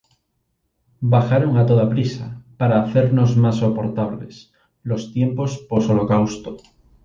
bajaron a toda prisa para hacernos más soportables los tiempos postholocausto